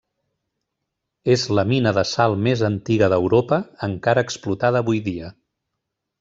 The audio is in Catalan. És la mina de sal més antiga d'Europa encara explotada avui dia.